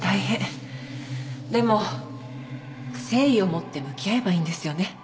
でも誠意をもって向き合えばいいんですよね。